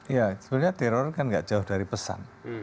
ya sebenarnya teror kan gak jauh dari pesan